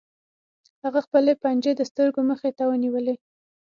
هغه خپلې پنجې د سترګو مخې ته ونیولې